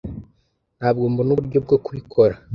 ntabwo mbona uburyo bwo kubikora